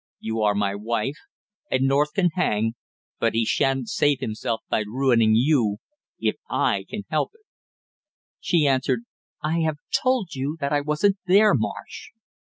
You are my wife, and North can hang, but he shan't save himself by ruining you if I can help it!" She answered: "I have told you that I wasn't there, Marsh."